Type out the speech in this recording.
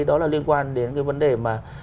đó là liên quan đến cái vấn đề mà